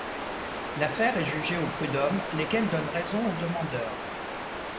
L'affaire est jugée aux prud'hommes, lesquels donnent raison au demandeur.